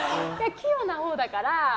器用なほうだから。